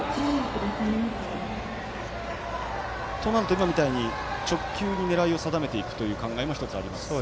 今みたいに直球に狙いを定めていくという考えも１つありますか。